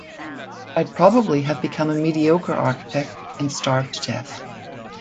I'd probably have become a mediocre architect and starved to death.